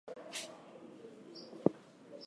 Rossi conceded the next morning.